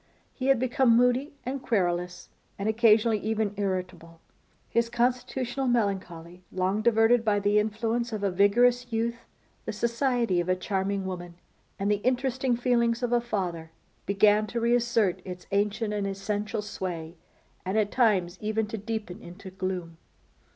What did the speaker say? He had become moody and querulous, and occasionally even irritable. His constitutional melancholy, long diverted by the influence of a vigorous youth, the society of a charming woman, and the interesting feelings of a father, began to reassert its ancient and essential sway, and at times even to deepen into gloom.